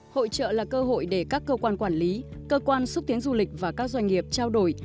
hội trợ là cơ hội để các cơ quan quản lý cơ quan xúc tiến du lịch và các doanh nghiệp trao đổi